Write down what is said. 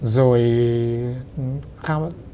rồi tham gia